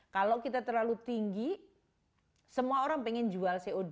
kalau kita terlalu tinggi semua orang pengen jual co dua